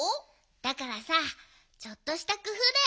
だからさちょっとしたくふうだよ。